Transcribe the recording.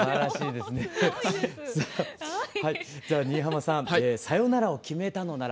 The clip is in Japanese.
では新浜さん「さよならを決めたのなら」